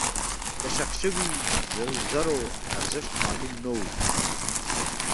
دښخ شوي زرو ارزښت معلوم نه و.